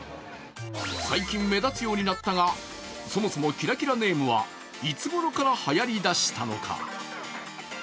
最近目立つようになったが、そもそもキラキラネームはいつごろからはやりだしたのか。